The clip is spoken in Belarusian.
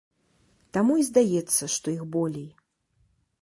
Таму і здаецца, што іх болей.